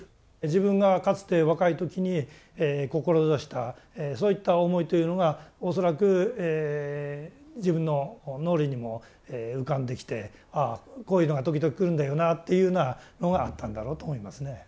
自分がかつて若い時に志したそういった思いというのが恐らく自分の脳裏にも浮かんできてああこういうのが時々来るんだよなというようなのがあったんだろうと思いますね。